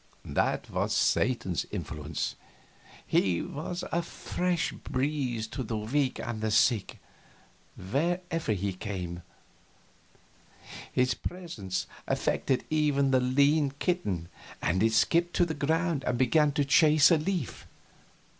That was Satan's influence; he was a fresh breeze to the weak and the sick, wherever he came. His presence affected even the lean kitten, and it skipped to the ground and began to chase a leaf.